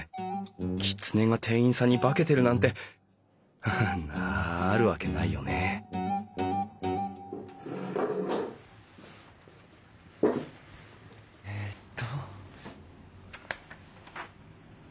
きつねが店員さんに化けてるなんてハハあるわけないよねえっと。